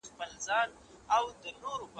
ما چي ول احمد به نن حتمن راسي